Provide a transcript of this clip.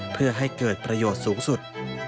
เพื่อให้เกิดประโยชน์สูงสุด